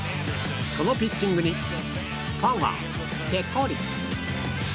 そのピッチングにファンはペコリ。